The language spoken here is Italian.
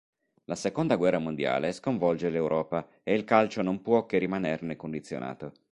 La seconda guerra mondiale sconvolge l'Europa e il calcio non può che rimanerne condizionato.